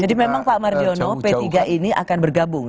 jadi memang pak mardiono p tiga ini akan bergabung